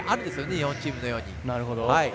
日本チームのように。